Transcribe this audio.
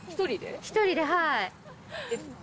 １人で、はい。